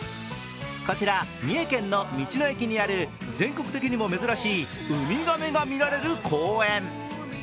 こちら、三重県の道の駅にある全国的にも珍しいウミガメが見られる公園。